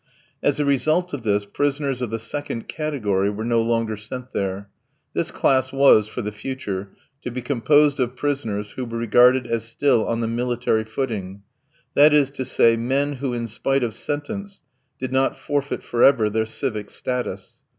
As a result of this, prisoners of the second category were no longer sent there; this class was, for the future, to be composed of prisoners who were regarded as still on the military footing, that is to say, men who, in spite of sentence, did not forfeit for ever their civic status.